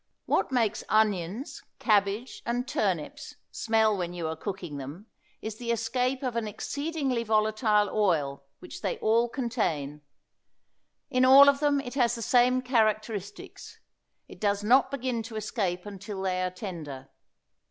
What makes onions, cabbage and turnips smell when you are cooking them is the escape of an exceedingly volatile oil which they all contain; in all of them it has the same characteristics; it does not begin to escape until they are tender.